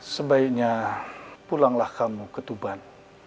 sebaiknya pulanglah kamu ke tuban